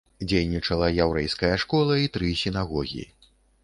Дзейнічала яўрэйская школа і тры сінагогі.